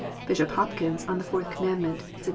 Bishop Hopkins on the Fourth Com mandment. 1690.